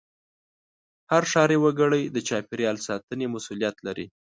هر ښاري وګړی د چاپېریال ساتنې مسوولیت لري.